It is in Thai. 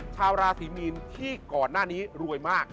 ชาวราศีมีนที่ก่อนหน้านี้รวยมาก